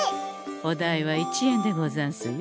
お代は１円でござんすよ。